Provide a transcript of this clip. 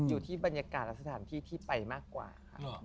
อยู่ที่บรรยากาศและสถานที่ที่ไปมากกว่าค่ะ